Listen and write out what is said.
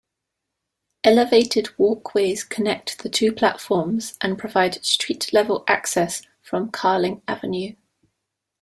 Elevated walkways connect the two platforms and provide street level access from Carling Avenue.